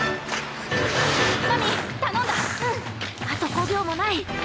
あと５秒もない！